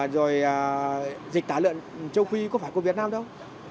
rồi dịch tả lợn châu phi có phải của việt nam đâu